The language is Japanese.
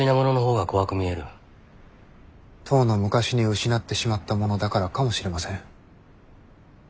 とうの昔に失ってしまったものだからかもしれません。